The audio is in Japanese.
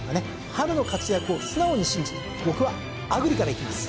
春の活躍を素直に信じ僕はアグリからいきます。